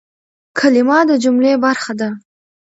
کلیمه د جملې برخه ده.